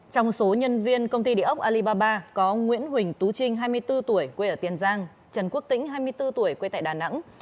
trong số nhân viên công ty địa ốc alibaba có nguyễn huỳnh tú trinh hai mươi bốn tuổi quê ở tiền giang trần quốc tĩnh hai mươi bốn tuổi quê tại đà nẵng